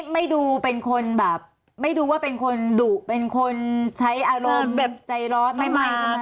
ไม่ดูเป็นคนแบบไม่ดูว่าเป็นคนดุเป็นคนใช้อารมณ์แบบใจร้อนไม่ไหม้ใช่ไหม